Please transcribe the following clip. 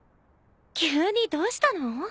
急にどうしたの？